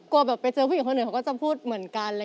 แบบไปเจอผู้หญิงคนอื่นเขาก็จะพูดเหมือนกัน